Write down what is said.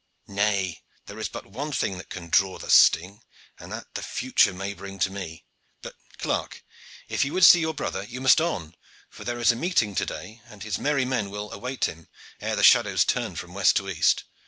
"Nay, there is but one thing that can draw the sting, and that the future may bring to me. But, clerk, if you would see your brother you must on, for there is a meeting to day, and his merry men will await him ere the shadows turn from west to east.